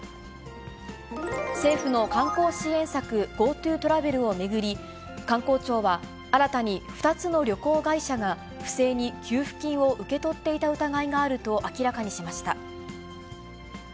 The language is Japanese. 政府の観光支援策、ＧｏＴｏトラベルを巡り、観光庁は新たに２つの旅行会社が不正に給付金を受け取っていた疑いがあると明らかにしました。